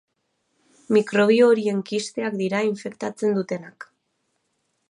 Mikrobio horien kisteak dira infektatzen dutenak.